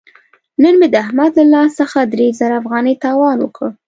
نن مې د احمد له لاس څخه درې زره افغانۍ تاوان وکړ.